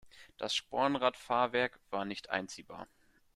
Das Spornrad-Fahrwerk war nicht einziehbar.